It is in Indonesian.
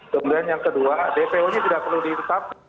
kemudian yang kedua dpo nya tidak perlu dilengkapi